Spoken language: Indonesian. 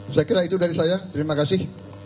saya kira itu dari saya terima kasih